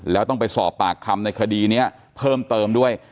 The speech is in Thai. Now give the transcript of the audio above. แล้วต้องไปสอบปากคำในคดีนี้เพิ่มเติมด้วย